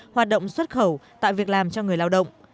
hoạt động xuất khẩu tại việc làm cho người lao động